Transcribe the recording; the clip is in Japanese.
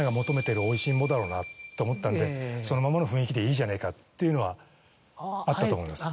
だろうなと思ったんでそのままの雰囲気でいいじゃねえかっていうのはあったと思います。